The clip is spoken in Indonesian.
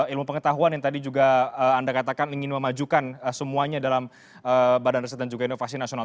dan juga ilmu pengetahuan yang tadi juga anda katakan ingin memajukan semuanya dalam badan riset dan juga inovasi nasional